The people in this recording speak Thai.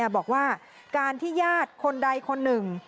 บอกว่าการที่ญาติคนใดคนหนึ่ง